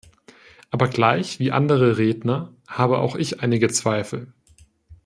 Aber gleich wie andere Redner, habe auch ich einige Zweifel.